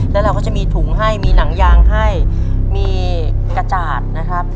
แล้วเราก็จะมีถุงให้มีหนังยางให้มีกระจาดนะครับ